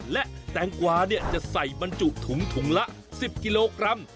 และแตงกวาจะใส่บรรจุถุงถุงละ๑๐กิโลกรัม